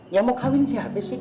yang mau kawin siapa sih